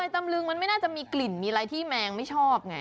ตำลึงมันไม่น่าจะมีกลิ่นมีอะไรที่แมงไม่ชอบไง